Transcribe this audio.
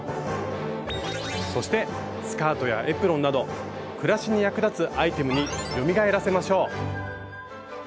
そしてスカートやエプロンなど暮らしに役立つアイテムによみがえらせましょう。